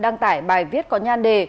đăng tải bài viết có nhan đề